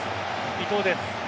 伊東です。